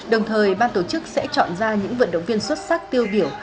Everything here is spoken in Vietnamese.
đồng thời ban tổ chức sẽ chọn ra những vận động viên xuất sắc tiêu biểu